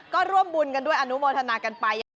ก็ร่วมบุญกันด้วยอนุโมทนากันไป